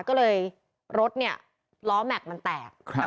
ก็เลยรถเนี่ยล้อแม็กซ์มันแตก